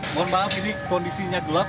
mohon maaf ini kondisinya gelap